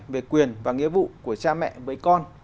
về quyền và nghĩa vụ của cha mẹ với con